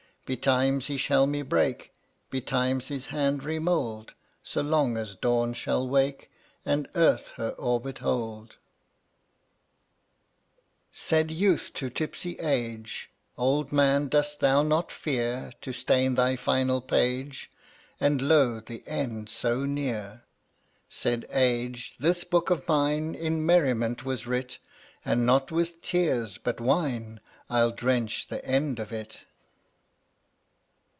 Betimes, He shall me break; Betimes, His hand remould — So long as dawns shall wake And earth her orbit hold. (fttttAt ^ a ^ Youth to tipsy Age: ¥> "Old man dost thou not fear (JvC/ To stain thy final page, MLYktt ^ nc °' fc ^ e en< ^ so near ?" t>WII SJ Said Age: "This book of mine In merriment was writ, And not with tears, but wine, I'll drench the end of it."